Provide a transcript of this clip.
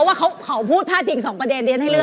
ว่าเขาพูดพาดพิง๒ประเด็นเรียนให้เลือก